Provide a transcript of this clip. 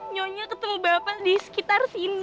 nyonya ketemu bapak di sekitar sini